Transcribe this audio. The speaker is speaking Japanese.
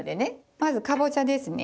まずかぼちゃですね。